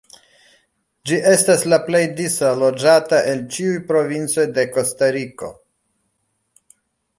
Ĝi estas la plej disa loĝata el ĉiuj provincoj de Kostariko.